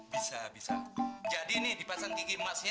bisa bisa jadi ini dipasang gigi emasnya